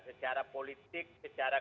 secara politik secara